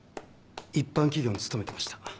一般企業に勤めてました。